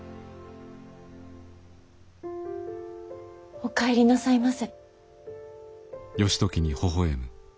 お帰りなさいませ。